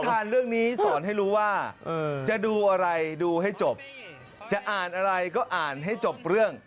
ทานเรื่องนี้สอนให้รู้ว่าจะดูอะไรดูให้จบจะอ่านอะไรก็อ่านให้จบเรื่อง